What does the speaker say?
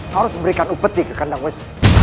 harus memberikan upeti ke kandang wis